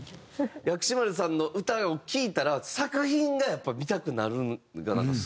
薬師丸さんの歌を聴いたら作品がやっぱり見たくなるのがなんかすごいなと思いました。